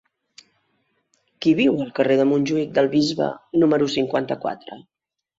Qui viu al carrer de Montjuïc del Bisbe número cinquanta-quatre?